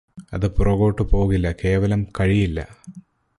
അത് പുറകോട്ട് പോകില്ല കേവലം കഴിയില്ല